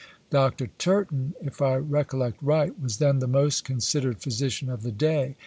Dr. Turton, if I recollect right, was then the most considered physician of the day.